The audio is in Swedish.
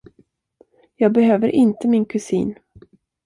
Jag behöver inte min kusin.